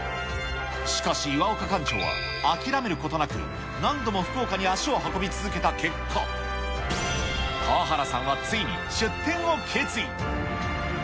しかし、岩岡館長は諦めることなく、何度も福岡に足を運び続けた結果、河原さんはついに出店を決意。